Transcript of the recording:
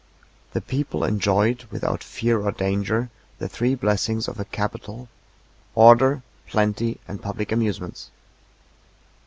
The people enjoyed, without fear or danger, the three blessings of a capital, order, plenty, and public amusements.